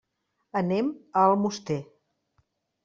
Anem a Almoster.